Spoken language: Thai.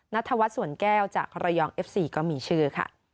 นัทวัฒน์สวนแก้วจากระยองเอฟซีก็มีชื่อค่ะ